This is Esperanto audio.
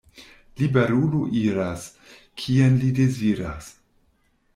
Liberulo iras, kien li deziras.